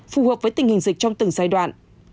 phù hợp với tình hình dịch trong từng giai đoạn